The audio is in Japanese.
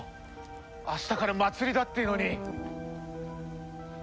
明日から祭りだっていうのに。